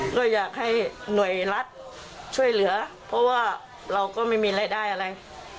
ก็อยากให้หน่วยรัฐช่วยเหลือเพราะว่าเราก็ไม่มีรายได้อะไร